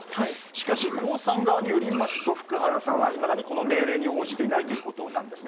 しかし、江さん側によりますと福原さんはいまだにこの命令に応じていないということです。